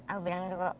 aku bilang itu kok